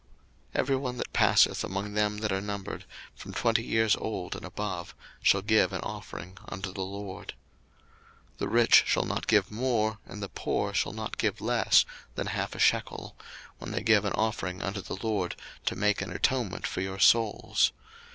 02:030:014 Every one that passeth among them that are numbered, from twenty years old and above, shall give an offering unto the LORD. 02:030:015 The rich shall not give more, and the poor shall not give less than half a shekel, when they give an offering unto the LORD, to make an atonement for your souls.